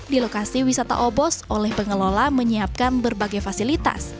di lokasi wisata obos oleh pengelola menyiapkan berbagai fasilitas